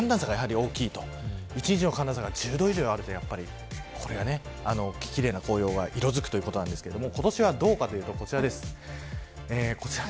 一日の寒暖差が１０度以上あると奇麗な紅葉が色づくということで今年はどうかというとこちらです。